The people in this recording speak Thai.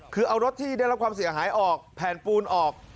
คือเอารถที่ได้รับความเสียหายออกแผ่นปูนออก